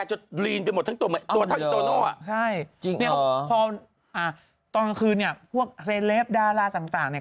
ใช่พออ่าตอนกลางคืนนี่พวกเซเลฟดาราต่างเนี่ย